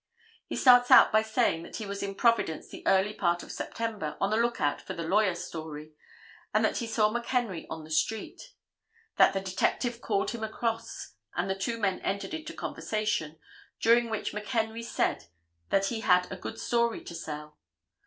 He starts out by saying that he was in Providence the early part of September on the lookout for the "lawyer story" and that he saw McHenry on the street. That the detective called him across and the two men entered into conversation, during which McHenry said that he had a good story to sell.